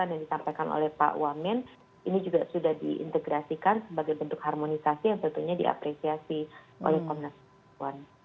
yang disampaikan oleh pak wamen ini juga sudah diintegrasikan sebagai bentuk harmonisasi yang tentunya diapresiasi oleh komnas perempuan